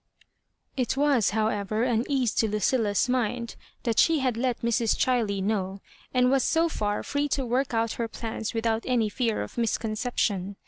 It was, however, an ease to Lucilla's mind that she had let Mrs. Chiley know, and was so far free to work out her plans without any fear of misconception.